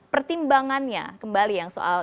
pertimbangannya kembali yang soal